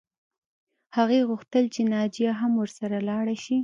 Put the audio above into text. هغې غوښتل چې ناجیه هم ورسره لاړه شي